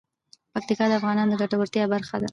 پکتیا د افغانانو د ګټورتیا برخه ده.